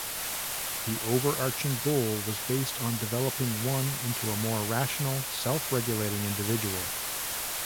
The overarching goal was based on developing one into a more rational, self-regulated individual.